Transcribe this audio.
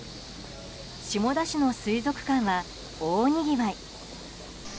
下田市の水族館は大にぎわい。